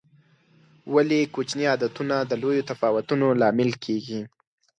ولې کوچیني عادتونه د لویو تفاوتونو لامل کېږي؟